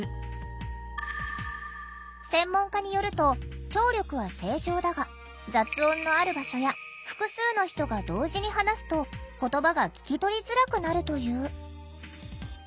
専門家によると聴力は正常だが雑音のある場所や複数の人が同時に話すと言葉が聞き取りづらくなるという。